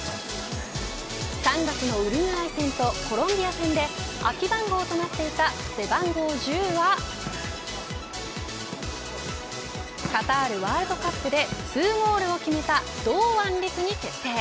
３月のウルグアイ戦とコロンビア戦で空き番号となっていた背番号１０はカタールワールドカップで２ゴールを決めた堂安律に決定。